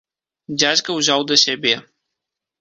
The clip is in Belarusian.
Дзядзька ўзяў да сябе.